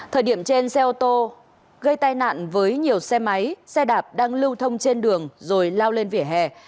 thời điểm trên xe ô tô gây tai nạn với nhiều xe máy xe đạp đang lưu thông trên đường rồi lao lên vỉa hè